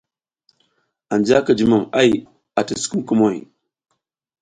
Anja ki jumom ay ati sukumuŋ kumoy.